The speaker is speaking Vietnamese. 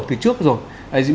thì trước rồi